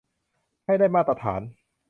ให้ได้มาตรฐาน